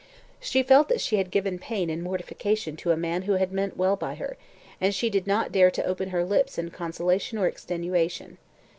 She felt that she had given pain and mortification to a man who had meant well by her, and she did not dare to open her lips in consolation or extenuation.